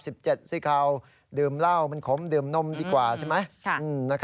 สิเขาดื่มเหล้ามันขมดื่มนมดีกว่าใช่ไหม